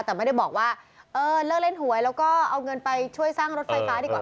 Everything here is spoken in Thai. แต่ไม่ได้บอกว่าเออเลิกเล่นหวยแล้วก็เอาเงินไปช่วยสร้างรถไฟฟ้าดีกว่า